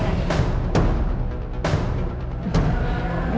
spesial ya tan